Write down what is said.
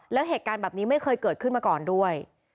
แล้วเหตุการณ์แบบนี้ไม่เคยเกิดขึ้นมาก่อนด้วย